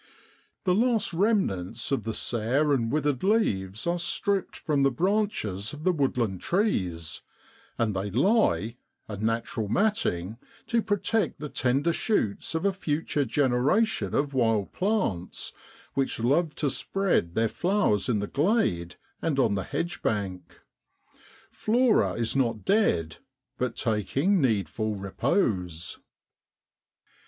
The last remnants of the sere and withered leaves are stripped from the branches of the woodland trees, and they lie, a natural matting, to protect the tender shoots of a future generation of wild plants which love to spread their flowers in the glade and on the hedgebank. Flora is not dead, but taking needful repose.